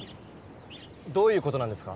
どういう事なんですか？